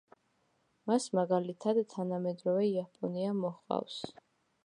მას მაგალითად თანამედროვე იაპონია მოჰყავს.